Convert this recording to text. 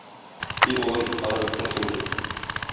И улым, харап иттең син безне.